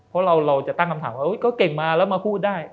เพราะเราจะตั้งคำถามว่าก็เก่งมาแล้วมาพูดได้